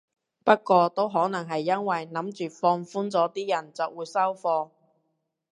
不過都可能係因為諗住放寬咗啲人就會收貨